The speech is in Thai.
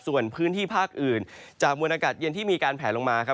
ส่วนพื้นที่ภาคอื่นจากมวลอากาศเย็นที่มีการแผลลงมาครับ